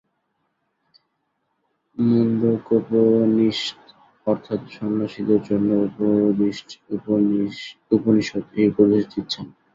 মুণ্ডকোপনিষৎ অর্থাৎ সন্ন্যাসীদের জন্য উপদিষ্ট উপনিষৎ এই উপদেশ দিচ্ছেন।